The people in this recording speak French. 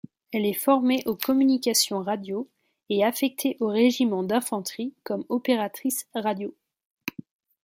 Elle est formée aux communications radio et affecté au Régiment d'Infanterie comme opératrice radio.